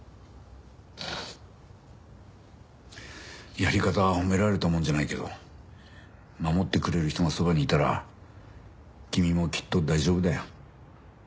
やり方は褒められたもんじゃないけど守ってくれる人がそばにいたら君もきっと大丈夫だよ。